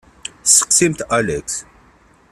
Steqsimt Alex.